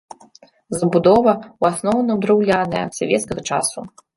Забудова ў асноўным драўляная савецкага часу.